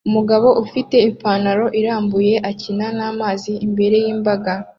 Umugabo ufite ipantaro irambuye akina namazi imbere yimbaga